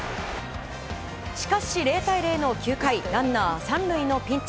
しかし、０対０の９回ランナー３塁のピンチ。